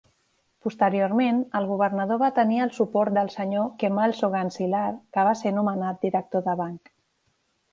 Posteriorment el governador va tenir el suport del Sr. Kemal Sogancilar, que va ser nomenat director de banc.